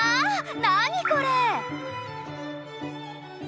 何これ？